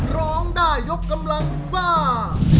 ร้องได้ยกกำลังซ่า